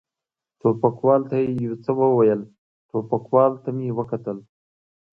ټوپکوال ته یې یو څه وویل، ټوپکوال ته مې کتل.